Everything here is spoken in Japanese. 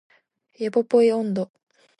ヨポポイ音頭